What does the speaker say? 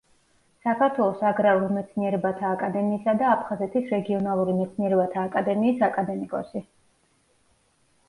საქართველოს აგრარულ მეცნიერებათა აკადემიისა და აფხაზეთის რეგიონალური მეცნიერებათა აკადემიის აკადემიკოსი.